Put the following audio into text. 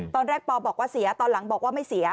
ปอบอกว่าเสียตอนหลังบอกว่าไม่เสีย